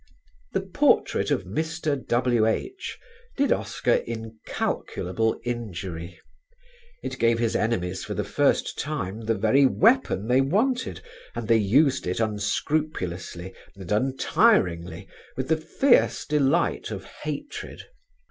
"The Portrait of Mr. W.H." did Oscar incalculable injury. It gave his enemies for the first time the very weapon they wanted, and they used it unscrupulously and untiringly with the fierce delight of hatred.